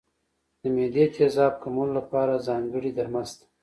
د معدې تېزاب کمولو لپاره ځانګړي درمل شته.